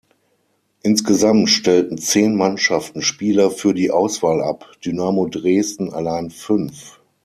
Insgesamt stellten zehn Mannschaften Spieler für die Auswahl ab, Dynamo Dresden allein fünf.